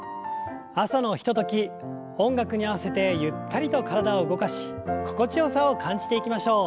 朝のひととき音楽に合わせてゆったりと体を動かし心地よさを感じていきましょう。